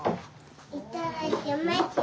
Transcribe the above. いただきまちゅ。